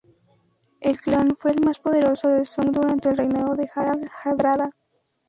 El clan fue el más poderoso de Sogn durante el reinado de Harald Hardrada.